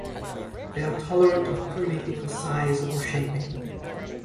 They are tolerant of pruning for size or shaping.